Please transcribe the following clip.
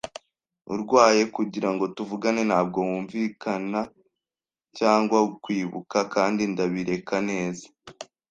urwaye kugirango tuvugane. Ntabwo wunvikana cyangwa kwibuka, kandi ndabireka neza